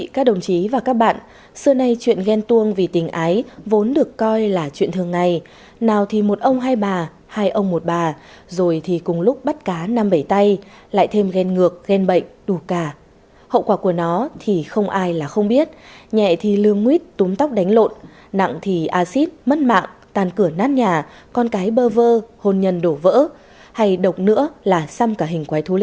cảm ơn các bạn đã theo dõi